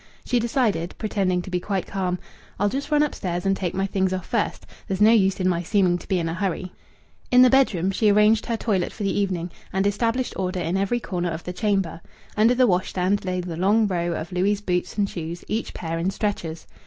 She decided, pretending to be quite calm: "I'll just run upstairs and take my things off first. There's no use in my seeming to be in a hurry." In the bedroom she arranged her toilet for the evening, and established order in every corner of the chamber. Under the washstand lay the long row of Louis' boots and shoes, each pair in stretchers.